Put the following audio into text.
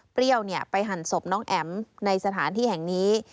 ไปหั่นศพน้องแอ๋มในสถานที่แห่งนี้